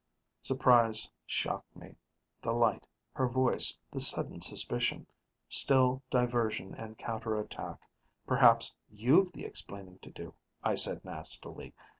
_ Surprise shocked me: the light, her voice, the sudden suspicion. Still, diversion and counterattack ... "Perhaps you've the explaining to do," I said nastily.